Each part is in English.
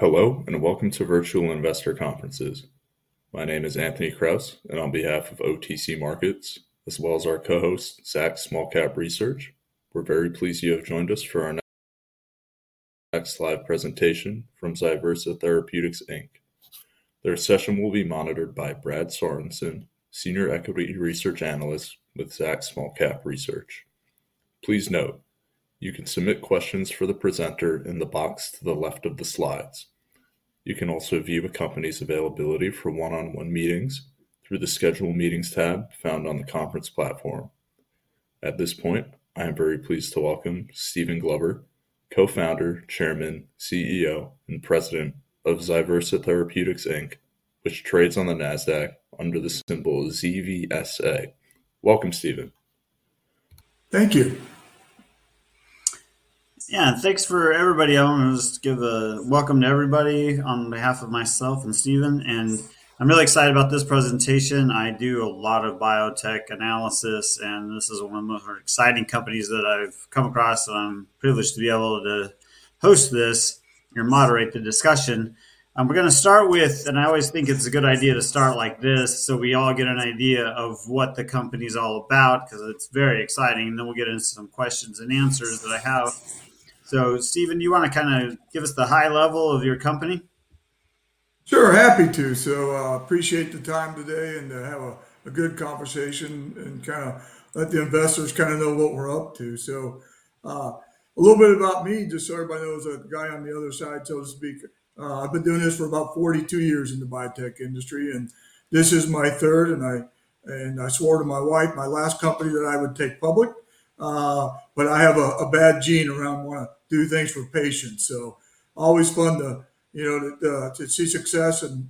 Hello and welcome to Virtual Investor Conferences. My name is Anthony Kraus, and on behalf of OTC Markets, as well as our co-host, Zacks Small-Cap Research, we're very pleased you have joined us for our next live presentation from ZyVersa Therapeutics, Inc. Their session will be monitored by Brad Sorensen, Senior Equity Research Analyst with Zacks Small-Cap Research. Please note, you can submit questions for the presenter in the box to the left of the slides. You can also view a company's availability for one-on-one meetings through the Schedule Meetings tab found on the conference platform. At this point, I am very pleased to welcome Stephen Glover, Co-founder, Chairman, CEO, and President of ZyVersa Therapeutics, Inc., which trades on the Nasdaq under the symbol ZVSA. Welcome, Stephen. Thank you. Yeah, thanks for everybody. I want to just give a welcome to everybody on behalf of myself and Stephen. And I'm really excited about this presentation. I do a lot of biotech analysis, and this is one of the most exciting companies that I've come across. I'm privileged to be able to host this and moderate the discussion. We're going to start with, and I always think it's a good idea to start like this so we all get an idea of what the company is all about because it's very exciting. And then we'll get into some questions and answers that I have. So, Stephen, do you want to kind of give us the high level of your company? Sure, happy to. So I appreciate the time today and to have a good conversation and kind of let the investors kind of know what we're up to. So a little bit about me, just so everybody knows, a guy on the other side, so to speak. I've been doing this for about 42 years in the biotech industry, and this is my third. And I swore to my wife my last company that I would take public. But I have a bad gene around wanting to do things for patients. So always fun to see success and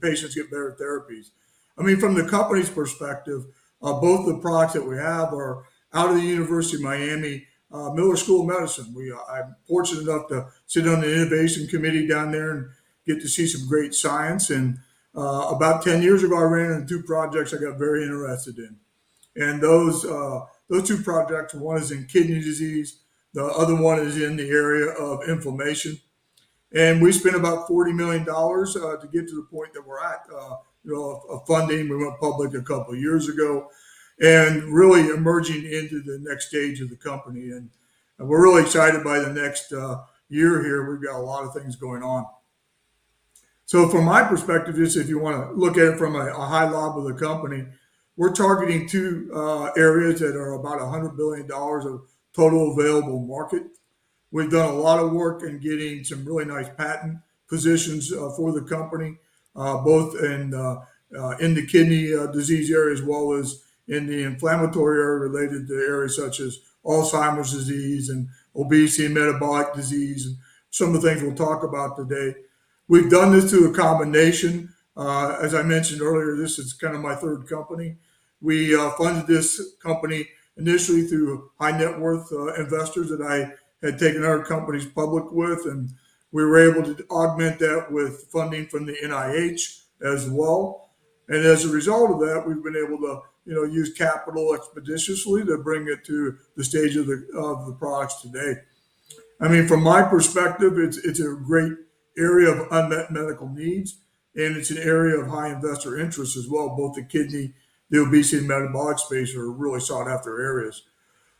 patients get better therapies. I mean, from the company's perspective, both the products that we have are out of the University of Miami Miller School of Medicine. I'm fortunate enough to sit on the Innovation Committee down there and get to see some great science. About 10 years ago, I ran into two projects I got very interested in. Those two projects, one is in kidney disease, the other one is in the area of inflammation. We spent about $40 million to get to the point that we're at of funding. We went public a couple of years ago and really emerging into the next stage of the company. We're really excited by the next year here. We've got a lot of things going on. From my perspective, just if you want to look at it from a high level of the company, we're targeting two areas that are about $100 billion of total available market. We've done a lot of work in getting some really nice patent positions for the company, both in the kidney disease area as well as in the inflammatory area related to areas such as Alzheimer's disease and obesity and metabolic disease, and some of the things we'll talk about today. We've done this through a combination. As I mentioned earlier, this is kind of my third company. We funded this company initially through high-net-worth investors that I had taken our companies public with. And we were able to augment that with funding from the NIH as well. And as a result of that, we've been able to use capital expeditiously to bring it to the stage of the products today. I mean, from my perspective, it's a great area of unmet medical needs, and it's an area of high investor interest as well. Both the kidney, the obesity, and metabolic space are really sought-after areas.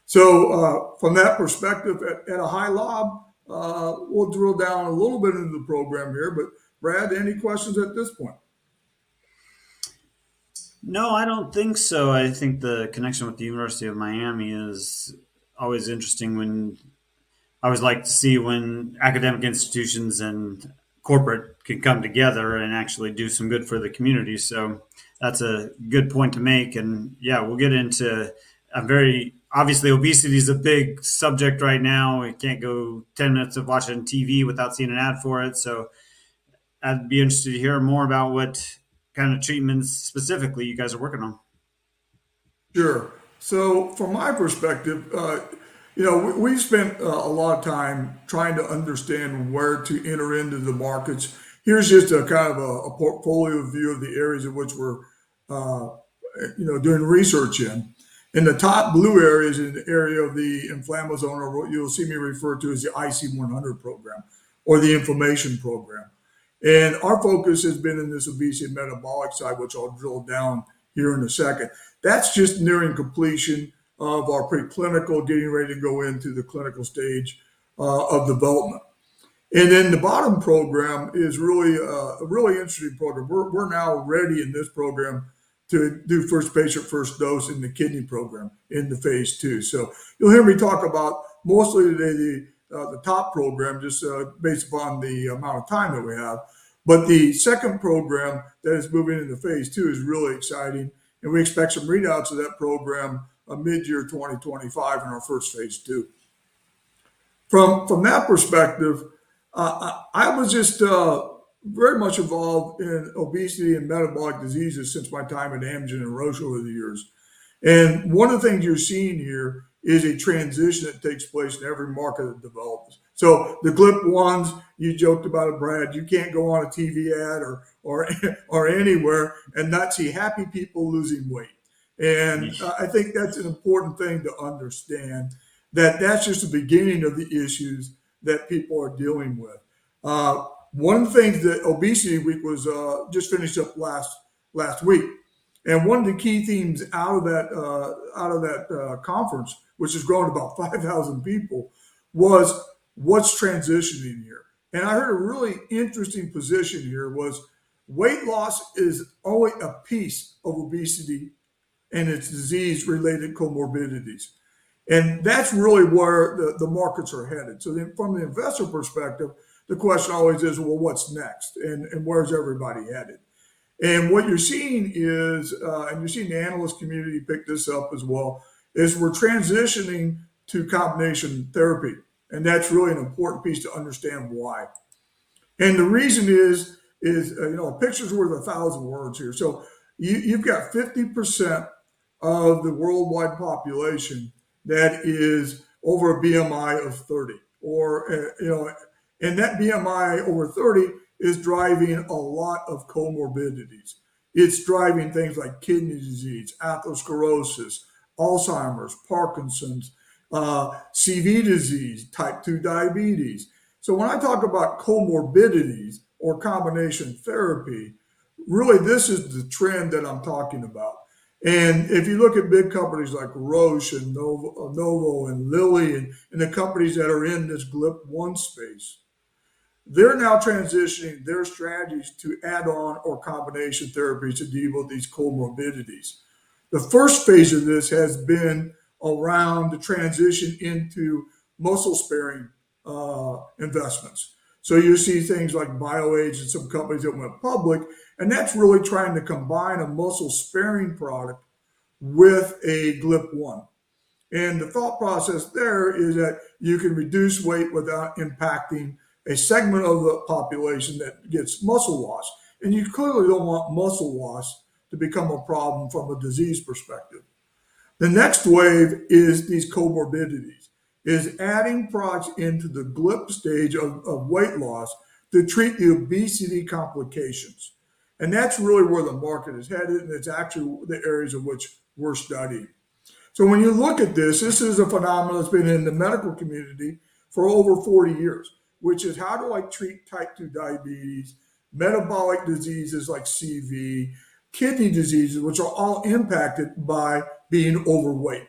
So from that perspective, at a high level, we'll drill down a little bit into the program here. But Brad, any questions at this point? No, I don't think so. I think the connection with the University of Miami is always interesting. I always like to see when academic institutions and corporate can come together and actually do some good for the community, so that's a good point to make, and yeah, we'll get into a very obviously, obesity is a big subject right now. We can't go 10 minutes of watching TV without seeing an ad for it. So I'd be interested to hear more about what kind of treatments specifically you guys are working on. Sure. So from my perspective, we spent a lot of time trying to understand where to enter into the markets. Here's just a kind of a portfolio view of the areas of which we're doing research in. And the top blue areas in the area of the inflammasome are what you'll see me refer to as the IC100 program or the inflammation program. And our focus has been in this obesity and metabolic side, which I'll drill down here in a second. That's just nearing completion of our preclinical, getting ready to go into the clinical stage of development. And then the bottom program is really a really interesting program. We're now ready in this program to do first patient, first dose in the kidney program in phase II. So you'll hear me talk about mostly the top program, just based upon the amount of time that we have. But the second program that is moving into phase II is really exciting. And we expect some readouts of that program mid-year 2025 in our first phase II. From that perspective, I was just very much involved in obesity and metabolic diseases since my time at Amgen and Roche over the years. And one of the things you're seeing here is a transition that takes place in every market that develops. So the GLP-1s, you joked about it, Brad, you can't go on a TV ad or anywhere and not see happy people losing weight. And I think that's an important thing to understand, that that's just the beginning of the issues that people are dealing with. One of the things that ObesityWeek was just finished up last week. And one of the key themes out of that conference, which has grown about 5,000 people, was what's transitioning here. I heard a really interesting position here was weight loss is only a piece of obesity and its disease-related comorbidities. That's really where the markets are headed. From the investor perspective, the question always is, well, what's next? Where's everybody headed? What you're seeing is, and you've seen the analyst community pick this up as well, we're transitioning to combination therapy. That's really an important piece to understand why. The reason is, picture's worth a thousand words here. You've got 50% of the worldwide population that is over a BMI of 30. That BMI over 30 is driving a lot of comorbidities. It's driving things like kidney disease, atherosclerosis, Alzheimer's, Parkinson's, CV disease, type 2 diabetes. When I talk about comorbidities or combination therapy, really, this is the trend that I'm talking about. And if you look at big companies like Roche and Novo and Lilly and the companies that are in this GLP-1 space, they're now transitioning their strategies to add-on or combination therapies to deal with these comorbidities. The first phase of this has been around the transition into muscle-sparing investments. So you see things like BioAge and some companies that went public. And that's really trying to combine a muscle-sparing product with a GLP-1. And the thought process there is that you can reduce weight without impacting a segment of the population that gets muscle loss. And you clearly don't want muscle loss to become a problem from a disease perspective. The next wave is these comorbidities, is adding products into the GLP stage of weight loss to treat the obesity complications. And that's really where the market is headed. And it's actually the areas of which we're studying. So when you look at this, this is a phenomenon that's been in the medical community for over 40 years, which is how do I treat type 2 diabetes, metabolic diseases like CV, kidney diseases, which are all impacted by being overweight.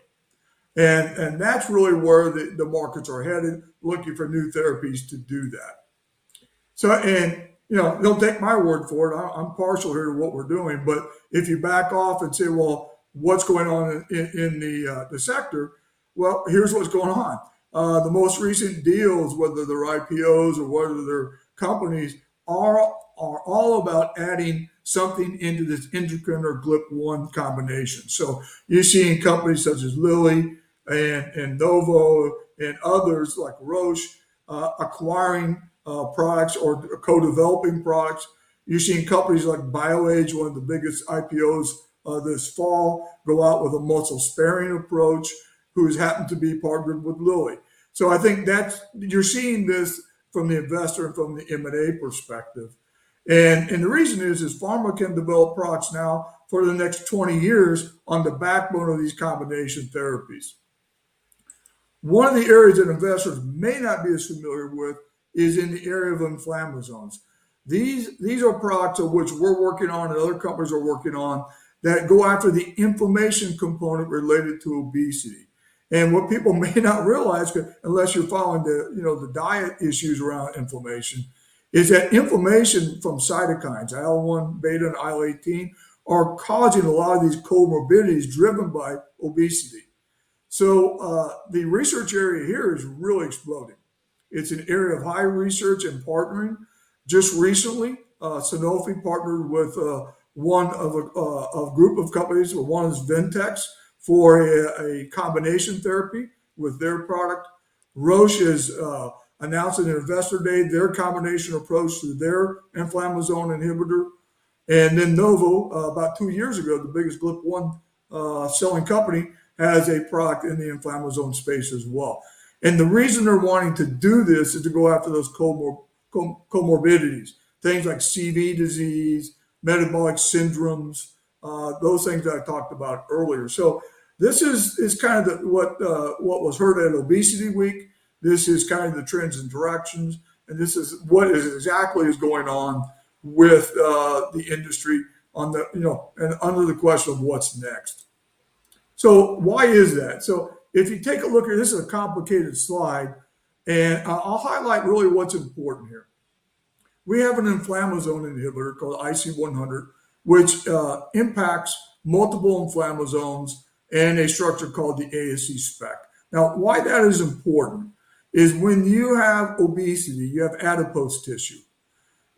And that's really where the markets are headed, looking for new therapies to do that. And they'll take my word for it. I'm partial here to what we're doing. But if you back off and say, well, what's going on in the sector? Well, here's what's going on. The most recent deals, whether they're IPOs or whether they're companies, are all about adding something into this endocrine or GLP-1 combination. So you're seeing companies such as Lilly and Novo and others like Roche acquiring products or co-developing products. You're seeing companies like BioAge, one of the biggest IPOs this fall, go out with a muscle-sparing approach, who has happened to be partnered with Lilly. So I think you're seeing this from the investor and from the M&A perspective. And the reason is, pharma can develop products now for the next 20 years on the backbone of these combination therapies. One of the areas that investors may not be as familiar with is in the area of inflammasomes. These are products of which we're working on and other companies are working on that go after the inflammation component related to obesity. And what people may not realize, unless you're following the diet issues around inflammation, is that inflammation from cytokines, IL-1 beta, and IL-18, are causing a lot of these comorbidities driven by obesity. So the research area here is really exploding. It's an area of high research and partnering. Just recently, Sanofi partnered with one of a group of companies. One is Ventus for a combination therapy with their product. Roche has announced on their Investor Day their combination approach to their inflammasome inhibitor, and then Novo, about two years ago, the biggest GLP-1 selling company, has a product in the inflammasome space as well, and the reason they're wanting to do this is to go after those comorbidities, things like CV disease, metabolic syndromes, those things that I talked about earlier, so this is kind of what was heard at ObesityWeek. This is kind of the trends and directions, and this is what is exactly going on with the industry and under the question of what's next, so why is that, so if you take a look here, this is a complicated slide. And I'll highlight really what's important here. We have an inflammasome inhibitor called IC100, which impacts multiple inflammasomes and a structure called the ASC speck. Now, why that is important is when you have obesity, you have adipose tissue.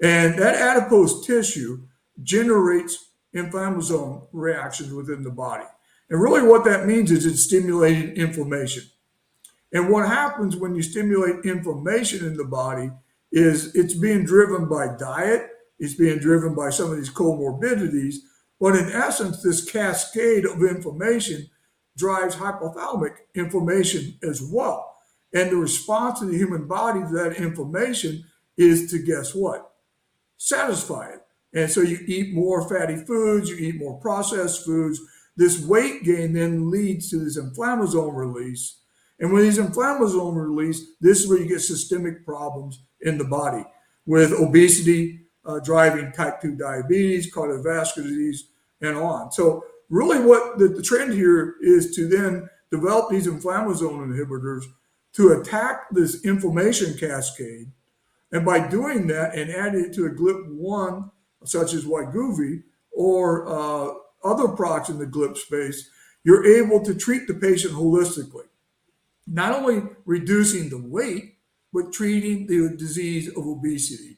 And that adipose tissue generates inflammasome reactions within the body. And really, what that means is it's stimulating inflammation. And what happens when you stimulate inflammation in the body is it's being driven by diet. It's being driven by some of these comorbidities. But in essence, this cascade of inflammation drives hypothalamic inflammation as well. And the response in the human body to that inflammation is to guess what? Satisfy it. And so you eat more fatty foods. You eat more processed foods. This weight gain then leads to this inflammasome release. And when these inflammasomes release, this is where you get systemic problems in the body, with obesity driving type 2 diabetes, cardiovascular disease, and on. So really, the trend here is to then develop these inflammasome inhibitors to attack this inflammation cascade. And by doing that and adding it to a GLP-1, such as Wegovy or other products in the GLP space, you're able to treat the patient holistically, not only reducing the weight, but treating the disease of obesity.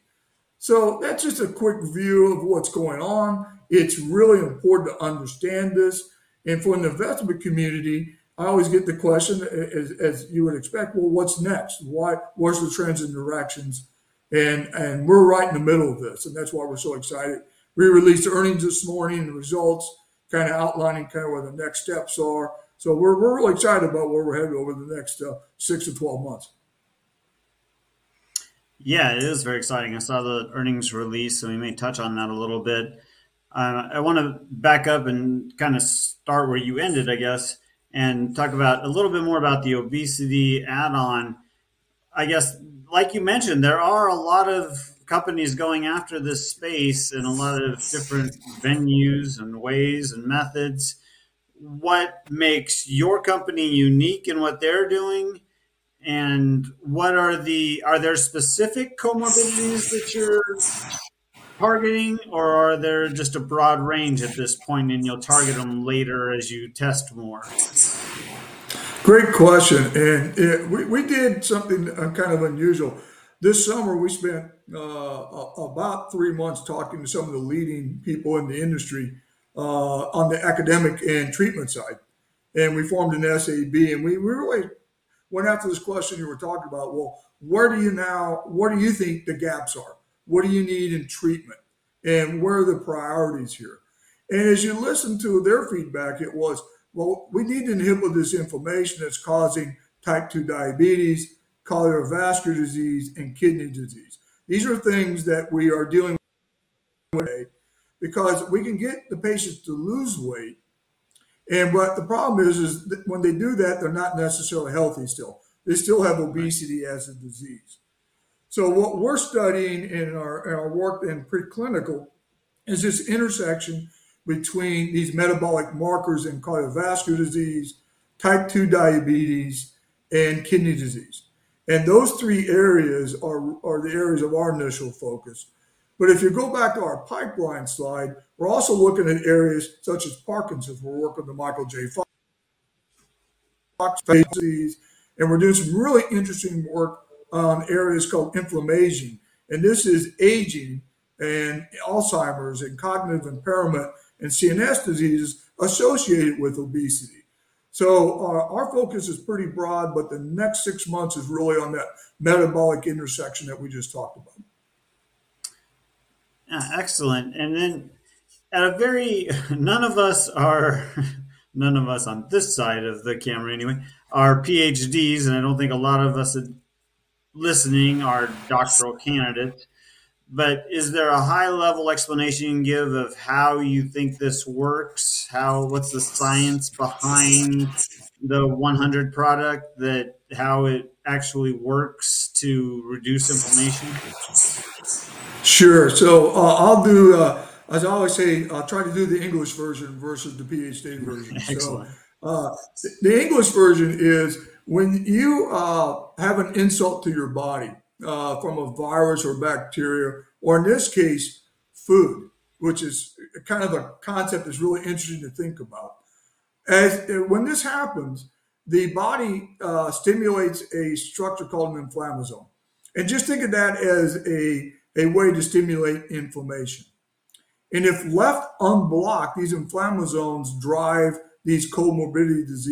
So that's just a quick view of what's going on. It's really important to understand this. And for the investment community, I always get the question, as you would expect, well, what's next? What's the trends and directions? And we're right in the middle of this. And that's why we're so excited. We released earnings this morning and results kind of outlining kind of where the next steps are. So we're really excited about where we're headed over the next 6-12 months. Yeah, it is very exciting. I saw the earnings release. So we may touch on that a little bit. I want to back up and kind of start where you ended, I guess, and talk about a little bit more about the obesity add-on. I guess, like you mentioned, there are a lot of companies going after this space in a lot of different venues and ways and methods. What makes your company unique in what they're doing? And are there specific comorbidities that you're targeting, or are there just a broad range at this point, and you'll target them later as you test more? Great question. And we did something kind of unusual. This summer, we spent about three months talking to some of the leading people in the industry on the academic and treatment side. And we formed an SAB. And we really went after this question you were talking about. Well, where do you now, what do you think the gaps are? What do you need in treatment? And what are the priorities here? And as you listened to their feedback, it was, well, we need to inhibit this inflammation that's causing type 2 diabetes, cardiovascular disease, and kidney disease. These are things that we are dealing with because we can get the patients to lose weight. But the problem is, when they do that, they're not necessarily healthy still. They still have obesity as a disease. What we're studying in our work in preclinical is this intersection between these metabolic markers and cardiovascular disease, Type 2 diabetes, and kidney disease. And those three areas are the areas of our initial focus. But if you go back to our pipeline slide, we're also looking at areas such as Parkinson's. We're working with the Michael J. Fox Foundation on obesity. And we're doing some really interesting work on areas called inflammation. And this is aging and Alzheimer's and cognitive impairment and CNS diseases associated with obesity. So our focus is pretty broad, but the next six months is really on that metabolic intersection that we just talked about. Excellent. And then, none of us are, none of us on this side of the camera anyway, are PhDs. And I don't think a lot of us listening are doctoral candidates. But is there a high-level explanation you can give of how you think this works? What's the science behind the IC100 product, how it actually works to reduce inflammation? Sure. So I'll do, as I always say, I'll try to do the English version versus the PhD version. Excellent. In essence, when you have an insult to your body from a virus or bacteria, or in this case, food, which is kind of a concept that's really interesting to think about. When this happens, the body stimulates a structure called an inflammasome. And just think of that as a way to stimulate inflammation. And if left unblocked, these inflammasomes drive these comorbidities: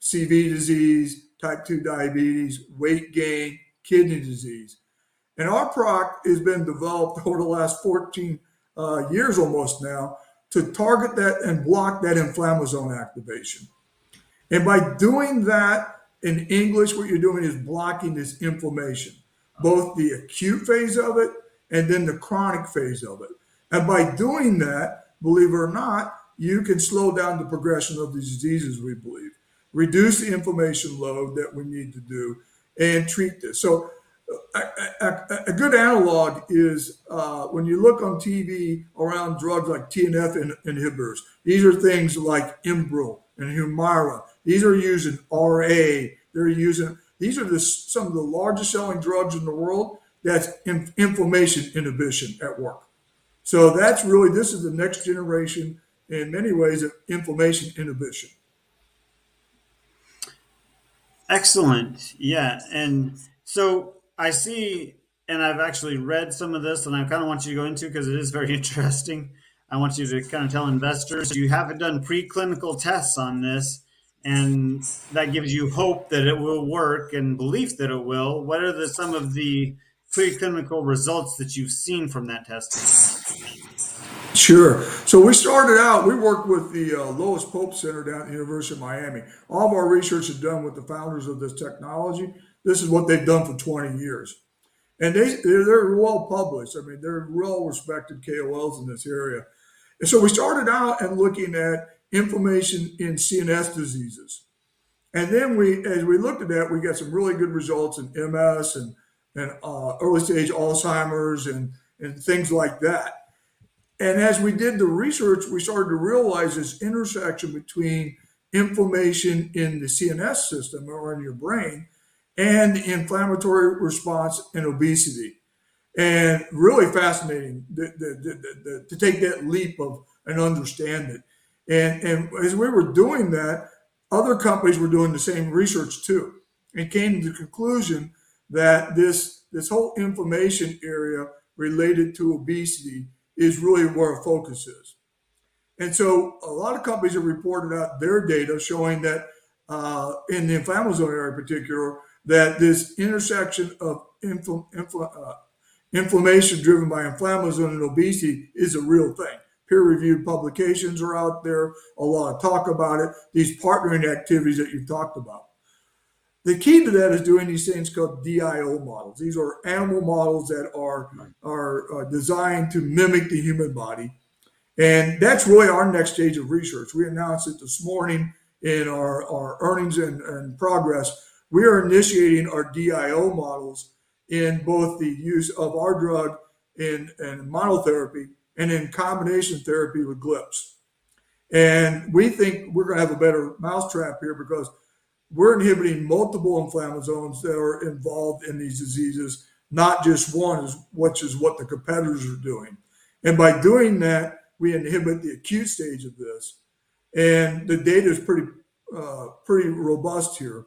CV disease, type 2 diabetes, weight gain, kidney disease. And our product has been developed over the last 14 years almost now to target that and block that inflammasome activation. And by doing that in essence, what you're doing is blocking this inflammation, both the acute phase of it and then the chronic phase of it. And by doing that, believe it or not, you can slow down the progression of the diseases, we believe, reduce the inflammation load that we need to do, and treat this. So a good analog is when you look on TV around drugs like TNF inhibitors. These are things like Enbrel and Humira. These are used in RA. These are some of the largest-selling drugs in the world that's inflammation inhibition at work. So that's really, this is the next generation in many ways of inflammation inhibition. Excellent. Yeah. And so I see, and I've actually read some of this, and I kind of want you to go into it because it is very interesting. I want you to kind of tell investors, you haven't done preclinical tests on this, and that gives you hope that it will work and belief that it will. What are some of the preclinical results that you've seen from that test? Sure. So we started out. We worked with the Lois Pope Life Center down at the University of Miami. All of our research is done with the founders of this technology. This is what they've done for 20 years. And they're well published. I mean, they're well-respected KOLs in this area. And so we started out and looking at inflammation in CNS diseases. And then as we looked at that, we got some really good results in MS and early-stage Alzheimer's and things like that. And as we did the research, we started to realize this intersection between inflammation in the CNS system or in your brain and the inflammatory response and obesity. And really fascinating to take that leap of faith and understand it. And as we were doing that, other companies were doing the same research too. And came to the conclusion that this whole inflammation area related to obesity is really where our focus is. And so a lot of companies have reported out their data showing that in the inflammasome area in particular, that this intersection of inflammation driven by inflammasome and obesity is a real thing. Peer-reviewed publications are out there. A lot of talk about it, these partnering activities that you've talked about. The key to that is doing these things called DIO models. These are animal models that are designed to mimic the human body. And that's really our next stage of research. We announced it this morning in our earnings and progress. We are initiating our DIO models in both the use of our drug and monotherapy and in combination therapy with GLPs. And we think we're going to have a better mousetrap here because we're inhibiting multiple inflammasomes that are involved in these diseases, not just one, which is what the competitors are doing. And by doing that, we inhibit the acute stage of this. And the data is pretty robust here.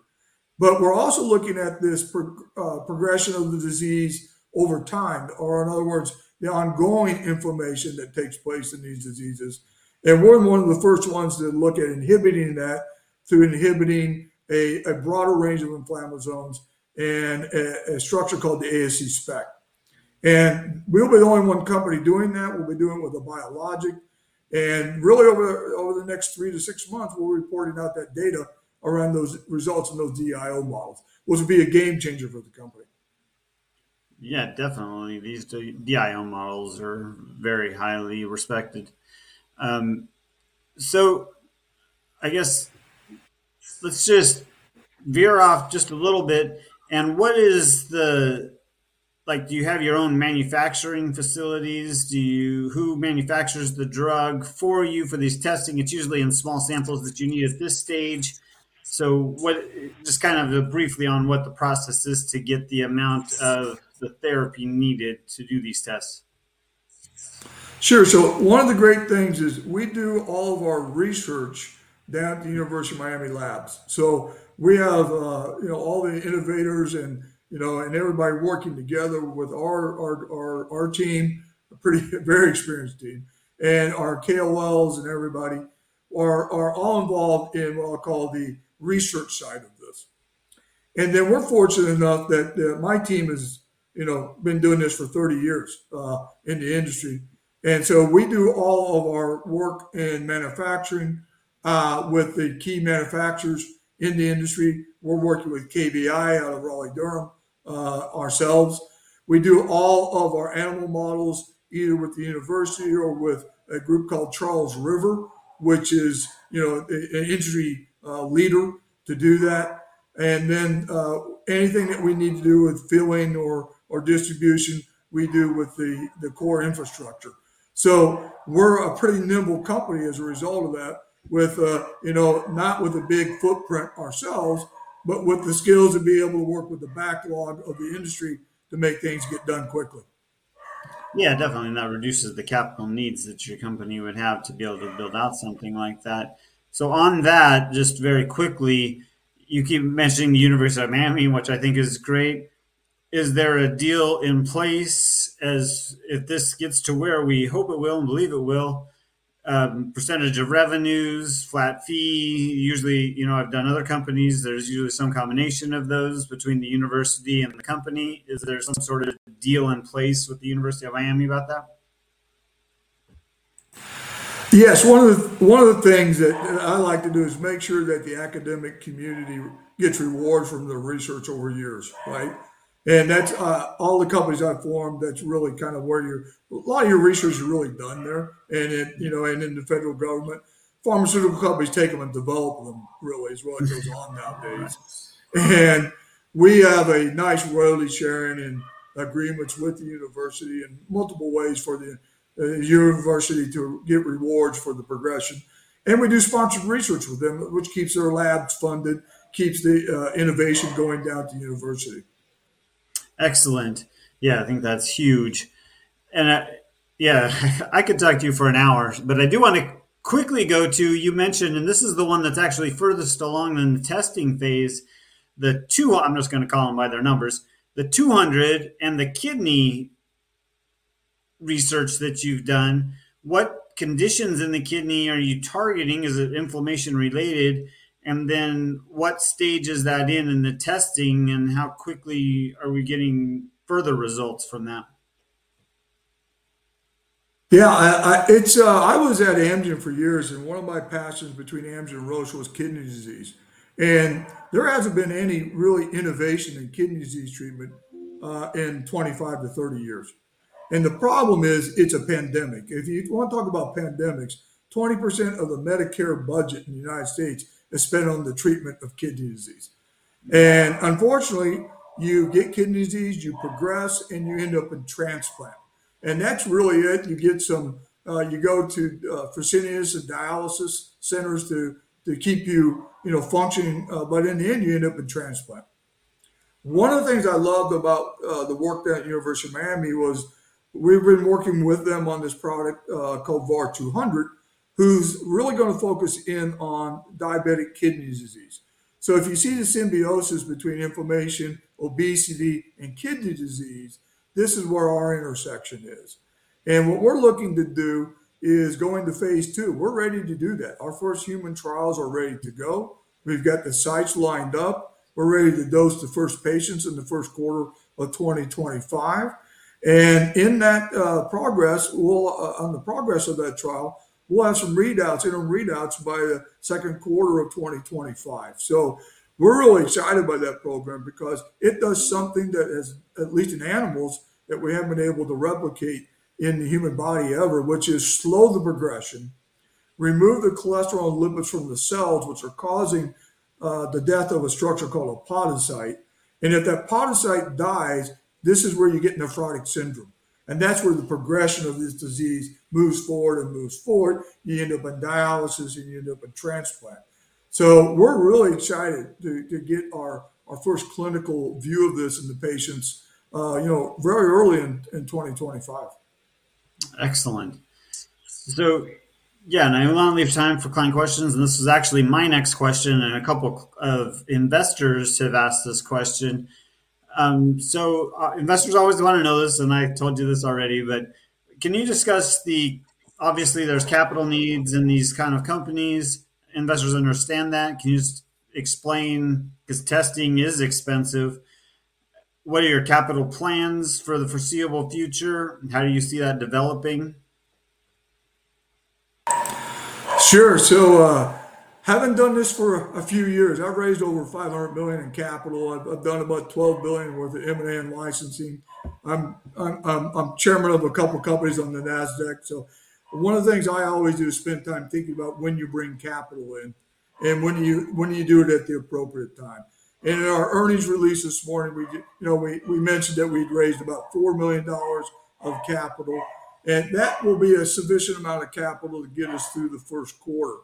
But we're also looking at this progression of the disease over time, or in other words, the ongoing inflammation that takes place in these diseases. And we're one of the first ones to look at inhibiting that through inhibiting a broader range of inflammasomes and a structure called the ASC speck. And we'll be the only one company doing that. We'll be doing it with a biologic. And really, over the next three-to-six months, we'll be reporting out that data around those results in those DIO models, which will be a game changer for the company. Yeah, definitely. These DIO models are very highly respected. So I guess let's just veer off just a little bit. And what is the, like, do you have your own manufacturing facilities? Who manufactures the drug for you for these testing? It's usually in small samples that you need at this stage. So just kind of briefly on what the process is to get the amount of the therapy needed to do these tests. Sure. So one of the great things is we do all of our research down at the University of Miami Labs. So we have all the innovators and everybody working together with our team, a very experienced team. And our KOLs and everybody are all involved in what I'll call the research side of this. And then we're fortunate enough that my team has been doing this for 30 years in the industry. And so we do all of our work in manufacturing with the key manufacturers in the industry. We're working with KBI out of Raleigh-Durham ourselves. We do all of our animal models either with the university or with a group called Charles River, which is an industry leader to do that. And then anything that we need to do with filling or distribution, we do with the core infrastructure. So we're a pretty nimble company as a result of that, not with a big footprint ourselves, but with the skills to be able to work with the backlog of the industry to make things get done quickly. Yeah, definitely, and that reduces the capital needs that your company would have to be able to build out something like that, so on that, just very quickly, you keep mentioning the University of Miami, which I think is great. Is there a deal in place as if this gets to where we hope it will and believe it will, percentage of revenues, flat fee? Usually, I've done other companies. There's usually some combination of those between the university and the company. Is there some sort of deal in place with the University of Miami about that? Yes. One of the things that I like to do is make sure that the academic community gets rewards from the research over years, right? And that's all the companies I've formed. That's really kind of where you're, a lot of your research is really done there and in the federal government. Pharmaceutical companies take them and develop them really as well as goes on nowadays. And we have a nice royalty-sharing and agreements with the university in multiple ways for the university to get rewards for the progression. And we do sponsored research with them, which keeps their labs funded, keeps the innovation going down to the university. Excellent. Yeah, I think that's huge. And yeah, I could talk to you for an hour, but I do want to quickly go to, you mentioned, and this is the one that's actually furthest along in the testing phase, the two, I'm just going to call them by their numbers, the 200 and the kidney research that you've done. What conditions in the kidney are you targeting? Is it inflammation-related? And then what stage is that in the testing and how quickly are we getting further results from that? Yeah. I was at Amgen for years, and one of my passions between Amgen and Roche was kidney disease. And there hasn't been any really innovation in kidney disease treatment in 25-30 years. And the problem is it's a pandemic. If you want to talk about pandemics, 20% of the Medicare budget in the United States is spent on the treatment of kidney disease. And unfortunately, you get kidney disease, you progress, and you end up in transplant. And that's really it. You get some, you go to Fresenius and dialysis centers to keep you functioning, but in the end, you end up in transplant. One of the things I loved about the work at the University of Miami was we've been working with them on this product called VAR-200, who's really going to focus in on diabetic kidney disease. If you see the symbiosis between inflammation, obesity, and kidney disease, this is where our intersection is. And what we're looking to do is go into phase II. We're ready to do that. Our first human trials are ready to go. We've got the sites lined up. We're ready to dose the first patients in the first quarter of 2025. And in that progress, on the progress of that trial, we'll have some readouts, interim readouts by the second quarter of 2025. So we're really excited by that program because it does something that has, at least in animals, that we haven't been able to replicate in the human body ever, which is slow the progression, remove the cholesterol and lipids from the cells, which are causing the death of a structure called a podocyte. And if that podocyte dies, this is where you get nephrotic syndrome. That's where the progression of this disease moves forward and moves forward. You end up in dialysis and you end up in transplant. We're really excited to get our first clinical view of this in the patients very early in 2025. Excellent. So yeah, and I will not leave time for client questions, and this is actually my next question, and a couple of investors have asked this question, so investors always want to know this, and I told you this already, but can you discuss the, obviously, there's capital needs in these kind of companies. Investors understand that. Can you just explain, because testing is expensive? What are your capital plans for the foreseeable future? How do you see that developing? Sure. So having done this for a few years, I've raised over $500 million in capital. I've done about $12 billion worth of M&A and licensing. I'm chairman of a couple of companies on the Nasdaq. So one of the things I always do is spend time thinking about when you bring capital in and when you do it at the appropriate time. And in our earnings release this morning, we mentioned that we'd raised about $4 million of capital. And that will be a sufficient amount of capital to get us through the first quarter.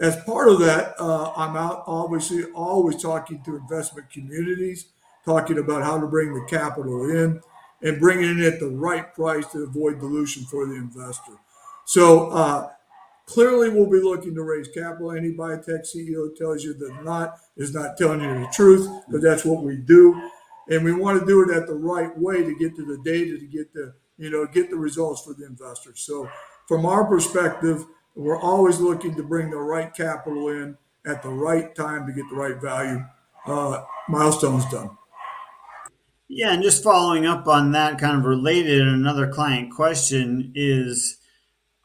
As part of that, I'm obviously always talking to investment communities, talking about how to bring the capital in and bringing it at the right price to avoid dilution for the investor. So clearly, we'll be looking to raise capital. Any biotech CEO tells you that is not telling you the truth because that's what we do, and we want to do it at the right way to get to the data, to get the results for the investors, so from our perspective, we're always looking to bring the right capital in at the right time to get the right value milestones done. Yeah. And just following up on that kind of related, another client question is,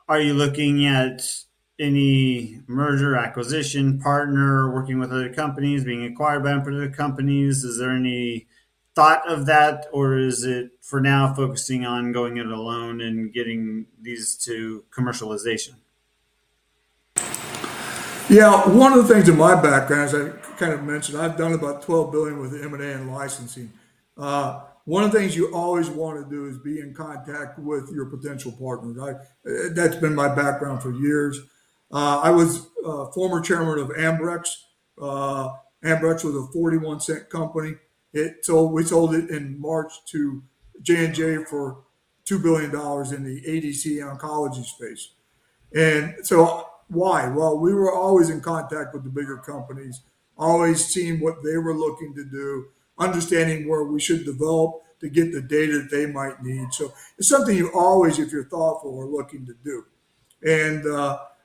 are you looking at any merger, acquisition, partner, working with other companies, being acquired by other companies? Is there any thought of that, or is it for now focusing on going it alone and getting these to commercialization? Yeah. One of the things in my background, as I kind of mentioned, I've done about $12 billion with M&A and licensing. One of the things you always want to do is be in contact with your potential partners. That's been my background for years. I was former chairman of Ambrx. Ambrx was a $0.41 company. We sold it in March to J&J for $2 billion in the ADC oncology space. And so why? Well, we were always in contact with the bigger companies, always seeing what they were looking to do, understanding where we should develop to get the data that they might need. So it's something you always, if you're thoughtful, are looking to do. And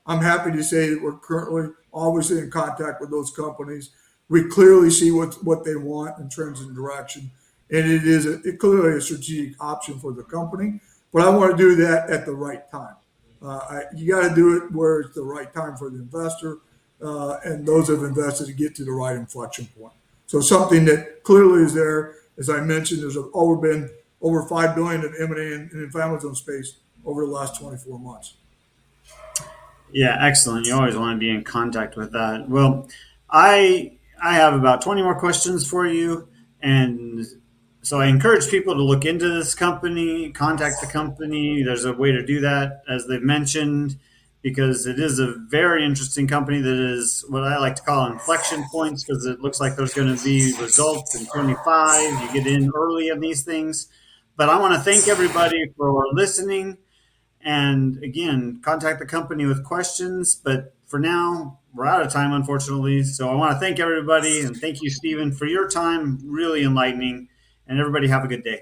I'm happy to say that we're currently always in contact with those companies. We clearly see what they want in terms of direction. It is clearly a strategic option for the company. I want to do that at the right time. You got to do it where it's the right time for the investor. Those have invested to get to the right inflection point. Something that clearly is there, as I mentioned, there's always been over $5 billion in M&A and inflammasome space over the last 24 months. Yeah. Excellent. You always want to be in contact with that. Well, I have about 20 more questions for you, and so I encourage people to look into this company, contact the company. There's a way to do that, as they've mentioned, because it is a very interesting company that is what I like to call inflection points because it looks like there's going to be results in 2025. You get in early on these things, but I want to thank everybody for listening, and again, contact the company with questions, but for now, we're out of time, unfortunately, so I want to thank everybody, and thank you, Stephen, for your time. Really enlightening, and everybody have a good day.